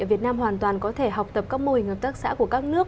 việt nam hoàn toàn có thể học tập các mô hình hợp tác xã của các nước